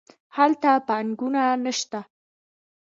هلته پانګونه نه شته.